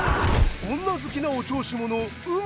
女好きのお調子者ウメ。